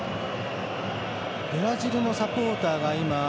ブラジルのサポーターが。